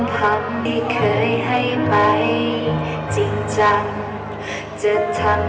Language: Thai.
ขอบคุณทุกเรื่องราว